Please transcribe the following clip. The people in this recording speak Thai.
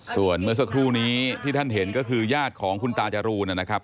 ส่วนเมื่อสักครู่นี้ที่ท่านเห็นก็คือญาติของคุณตาจรูนนะครับ